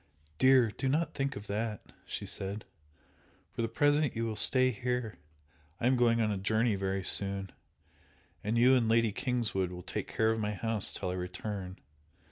"Dear, do not think of that!" she said "For the present you will stay here I am going on a journey very soon, and you and Lady Kingswood will take care of my house till I return.